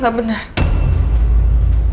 gak ada apa apa